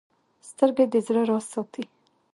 سترګې د زړه راز ساتي